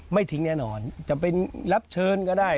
ไม่ทิ้งแน่นอนจะเป็นรับเชิญก็ได้